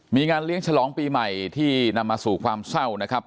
มีงานเลี้ยงฉลองปีใหม่ที่นำมาสู่ความเศร้านะครับ